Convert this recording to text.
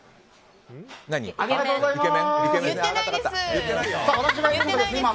ありがとうございます！